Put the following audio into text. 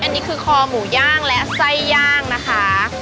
อันนี้คือคอหมูย่างและไส้ย่างนะคะ